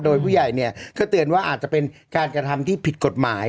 โดยผู้ใหญ่เนี่ยก็เตือนว่าอาจจะเป็นการกระทำที่ผิดกฎหมาย